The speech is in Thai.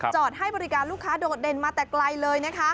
จอดให้บริการลูกค้าโดดเด่นมาแต่ไกลเลยนะคะ